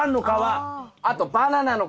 あとバナナの皮。